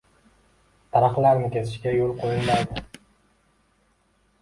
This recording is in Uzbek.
Daraxtlarni kesishga yo'l qo'yilmaydi